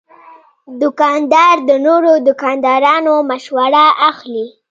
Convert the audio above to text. دوکاندار د نورو دوکاندارانو مشوره اخلي.